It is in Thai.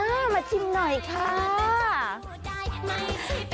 ชิมไหมคะชิมหน่อยนะมาชิมหน่อยค่ะ